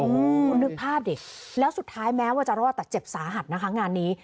คุณนึกภาพดิแล้วสุดท้ายแม้ว่าจะรอดแต่เจ็บสาหัสนะคะงานนี้